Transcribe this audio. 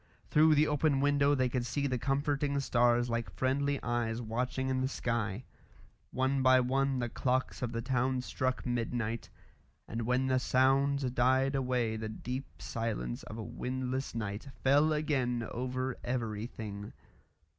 Through the open window they could see the comforting stars like friendly eyes watching in the sky. One by one the clocks of the town struck midnight, and when the sounds died away the deep silence of a windless night fell again over everything.